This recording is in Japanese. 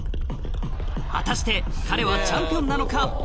果たして彼はチャンピオンなのか？